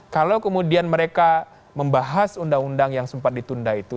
kalau kemudian mereka membahas undang undang yang sempat ditunda itu